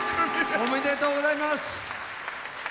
おめでとうございます。